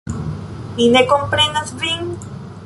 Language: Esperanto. Li ne komprenas vin?